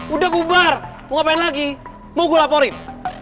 udah bubar mau main lagi mau gue laporin